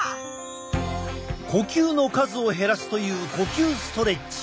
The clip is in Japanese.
呼吸の数を減らすという呼吸ストレッチ。